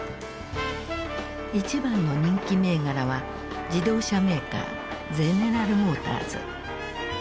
一番の人気銘柄は自動車メーカーゼネラル・モーターズ。